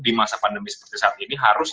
di masa pandemi seperti saat ini harus